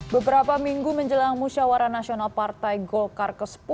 beberapa minggu menjelang musyawara nasional partai golkar ke sepuluh